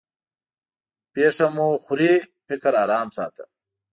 پېښه مه خورې؛ فکر ارام ساته.